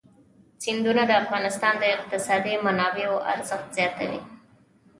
سیندونه د افغانستان د اقتصادي منابعو ارزښت زیاتوي.